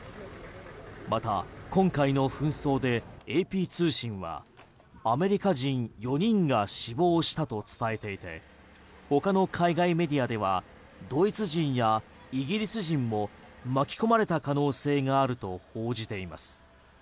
また今回の紛争でＡＰ通信はアメリカ人４人が死亡したと伝えていて他の海外メディアではドイツ人やイギリス人も巻き込まれた可能性があると報じています。